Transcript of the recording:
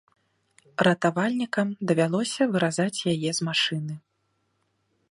Ратавальнікам давялося выразаць яе з машыны.